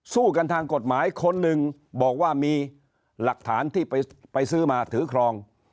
สู้กันทางกฎหมายคนหนึ่งบอกว่ามีหลักฐานที่ไปซื้อมาถือครอง